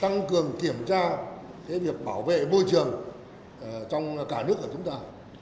tăng cường kiểm tra việc bảo vệ môi trường trong cả nước của chúng ta